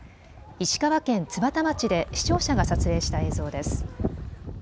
石川県津幡町で視聴者が撮影した映像です。